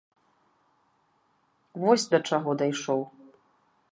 Вось да чаго дайшоў.